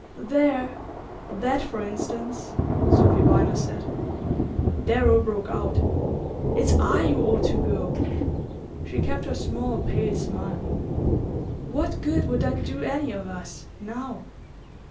"There THAT for instance," Sophy Viner said. Darrow broke out: "It's I who ought to go!" She kept her small pale smile. "What good would that do any of us now?"